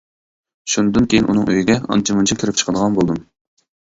شۇندىن كىيىن ئۇنىڭ ئۆيىگە ئانچە مۇنچە كىرىپ چىقىدىغان بولدۇم.